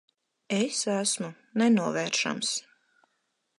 Es esmu nenovēršams.